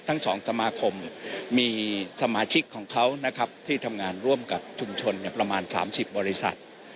ทั้งสองสมาคมมีสมาชิกของเขานะครับที่ทำงานร่วมกับชุมชนประมาณ๓๐บริษัท